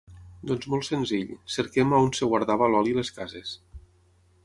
Doncs molt senzill, cerquem on es guardava l'oli a les cases.